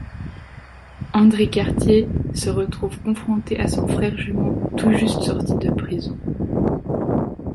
André Cartier se retrouve confronté à son frère jumeau tout juste sorti de prison.